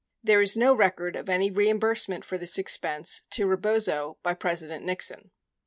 72 There is no record of any reimbursement for this expense to Rebozo by President Nixon.